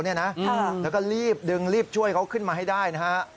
แล้วก็รีบดึงรีบช่วยเขาขึ้นมาให้ได้นะฮะ